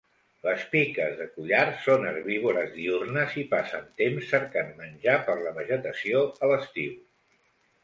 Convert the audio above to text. Les piques de collar són herbívores diürnes i passen temps cercant menjar per la vegetació a l'estiu.